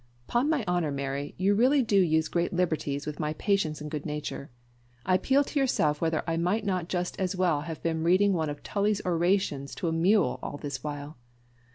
"'Pon my honour, Mary, you really do use great liberties with my patience and good nature. I appeal to yourself whether I might not just as well have been reading one of Tully's orations to a mule all this while.